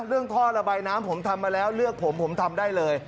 ท่อระบายน้ำผมทำมาแล้วเลือกผมผมทำได้เลย